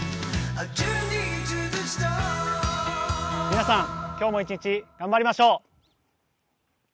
皆さん、今日も一日頑張りましょう！